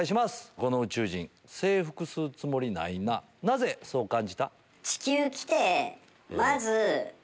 この宇宙人征服するつもりないななぜそう感じた？